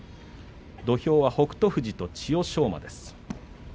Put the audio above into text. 土俵は北勝富士と千代翔馬です。